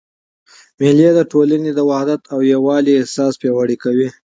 مېلې د ټولني د وحدت او یووالي احساس پیاوړی کوي.